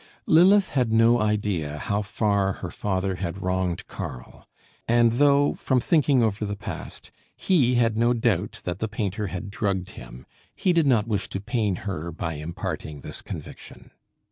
Lilith had no idea how far her father had wronged Karl, and though, from thinking over the past, he had no doubt that the painter had drugged him, he did not wish to pain her by imparting this conviction.